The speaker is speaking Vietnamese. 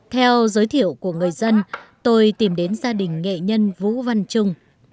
theo giới thiệu của người dân tôi tìm đến gia đình nghệ nhân vũ văn trung